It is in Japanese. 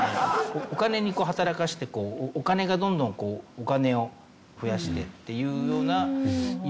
お金に働かせてお金がどんどんこうお金を増やしてっていうようなイメージが。